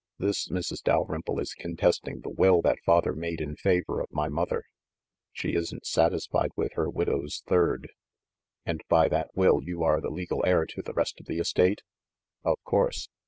This Mrs. Dal rymple is contesting the will that father made in favor of my mother. She isn't satisfied with her widow's third." MISS DALRYMPLE'S LOCKET 151 "And, by that will, you are the legal heir to the rest of the estate?" "Of course.